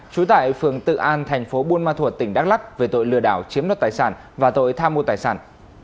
chú tại phường tự an thành phố buôn ma thuột tỉnh đắk lắc về tội lừa đảo chiếm đất tài sản và tội tham mua tài sản